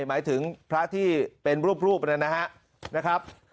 หมายถึงพระที่เป็นรูปนะครับ